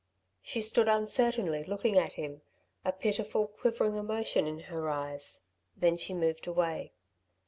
She stood uncertainly looking at him, a pitiful, quivering emotion in her eyes; then she moved away.